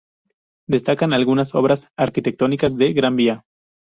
Destacan algunas obras arquitectónicas de Gran Vía.